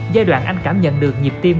giai đoạn anh cảm nhận được nhịp tim